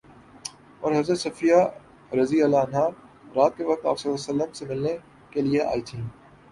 اور حضرت صفیہ رضی اللہ عنہا رات کے وقت آپ صلی اللہ علیہ وسلم سے ملنے کے لیے آئی تھیں